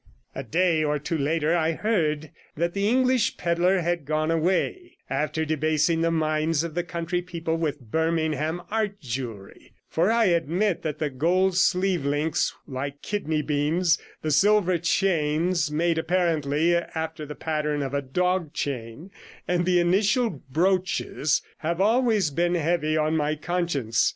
'A day or two later I heard that the English pedlar had gone away, after debasing the minds of the country people with Birmingham art jewellery; for I admit that the gold sleeve links like kidney beans, the silver chains made apparently after the pattern of a dog chain, and the initial brooches, have always been heavy on my conscience.